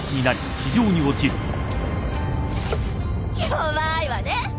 弱いわね